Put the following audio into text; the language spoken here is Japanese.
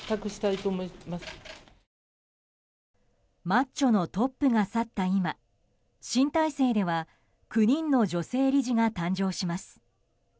マッチョのトップが去った今新体制では９人の女性理事が誕生します。